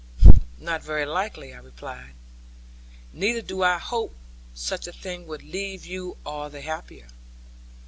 'Not very likely,' I replied; 'neither do I hope such a thing would leave you all the happier.